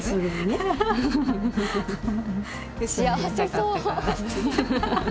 幸せそう！